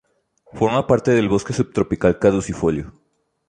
Forma parte del bosque subtropical caducifolio.